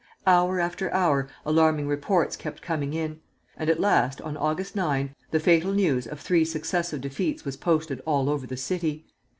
Hour after hour alarming reports kept coming in; and at last, on August 9, the fatal news of three successive defeats was posted all over the city.